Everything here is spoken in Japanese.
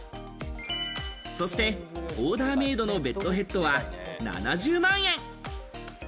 そしてオーダーメイドのベッドヘッドは７０万円。